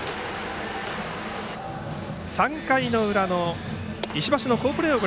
３回裏の石橋の好プレー。